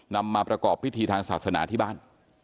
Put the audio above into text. นำมาประกอบพิธีทางศาสนาที่บ้าน